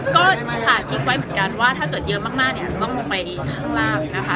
ก็สาธิกไว้เหมือนกันว่าถ้าเกิดเยอะมากเนี่ยจะต้องลงไปข้างล่างนะคะ